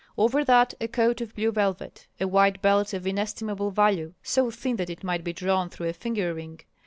Over that a coat of blue velvet; a white belt of inestimable value, so thin that it might be drawn through a finger ring.